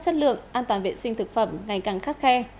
chất lượng an toàn vệ sinh thực phẩm ngày càng khắc khe